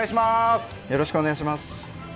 よろしくお願いします。